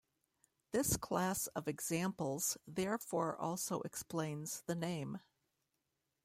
This class of examples therefore also explains the name.